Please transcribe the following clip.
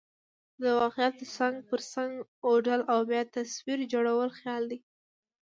د واقعاتو څنګ پر څنګ اوډل او بیا تصویر جوړل خیال دئ.